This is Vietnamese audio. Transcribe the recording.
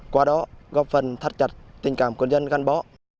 qua đó góp phần thắt chặt tình cảm quân dân gắn bó